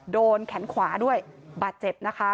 โดนแขนขวาด้วยบาดเจ็บนะคะ